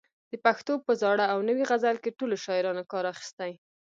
د پښتو په زاړه او نوي غزل کې ټولو شاعرانو کار اخیستی.